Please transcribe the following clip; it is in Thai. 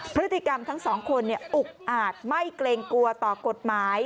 พฤติกรรมทั้งสองคนอุกอาจไม่เกรงกลัวต่อกฎหมาย